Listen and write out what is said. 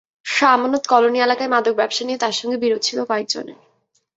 Shah Amanat colony এলাকায় মাদক ব্যবসা নিয়ে তাঁর সঙ্গে বিরোধ ছিল কয়েকজনের।